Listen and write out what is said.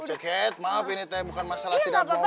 ceket maaf ini teh bukan masalah tidak mau berbonceng